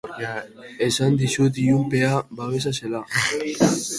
Esan dizut ilunpea babesa zela.